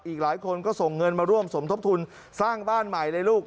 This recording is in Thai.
อีกหลายคนก็ส่งเงินมาร่วมสมทบทุนสร้างบ้านใหม่เลยลูก